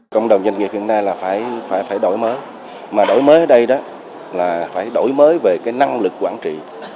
công đồng doanh nghiệp hiện nay là phải đổi mới mà đổi mới ở đây là phải đổi mới về năng lực quản trị